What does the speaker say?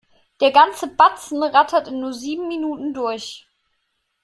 Der ganze Batzen rattert in nur sieben Minuten durch.